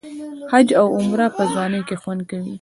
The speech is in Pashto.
حج او عمره په ځوانۍ کې خوند کوي.